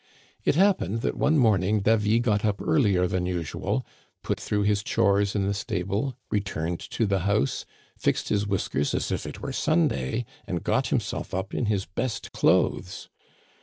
It happened that one morning Davy got up earlier than usual, put through his chores in the stable, returned to the house, fixed his whiskers as if it were Sunday, and got himself up in his best clothes.